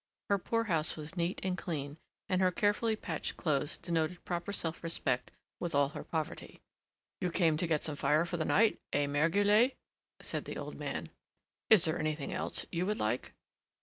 Her poor house was neat and clean, and her carefully patched clothes denoted proper self respect with all her poverty. "You came to get some fire for the night, eh, Mère Guillette?" said the old man. "Is there anything else you would like?"